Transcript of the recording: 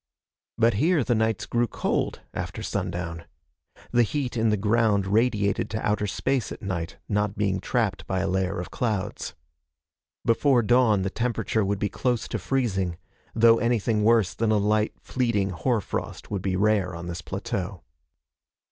But here the nights grew cold, after sundown. The heat in the ground radiated to outer space at night, not being trapped by a layer of clouds. Before dawn, the temperature would be close to freezing, though anything worse than a light fleeting hoar frost would be rare on this plateau.